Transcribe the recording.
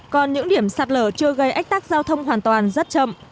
còn những điểm sạt lở chưa gây ách tắc giao thông hoàn toàn rất chậm